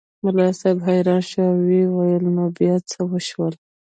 ملا صاحب حیران شو او ویې ویل نو بیا څه وشول.